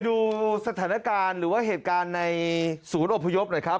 ดูสถานการณ์หรือว่าเหตุการณ์ในศูนย์อพยพหน่อยครับ